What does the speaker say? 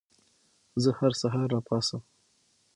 زه هر سهار راپاڅم.